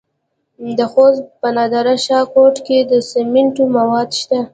د خوست په نادر شاه کوټ کې د سمنټو مواد شته.